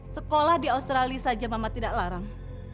sekolah di australia saja mama tidak larang